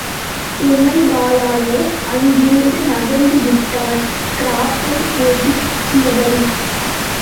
உமைபாலனோ அங்கிருந்து நகர்ந்துவிட்டான், கிராப்பை ஒதுக்கியபடி!